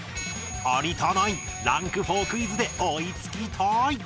有田ナインランク４クイズで追いつきたい